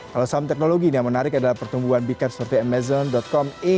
kalau saham teknologi yang menarik adalah pertumbuhan big cap seperti amazon com a